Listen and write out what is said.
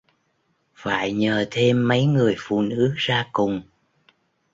phải nhờ thêm mấy người phụ nữ ra cùng